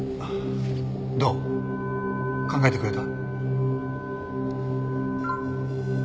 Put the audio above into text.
どう？考えてくれた？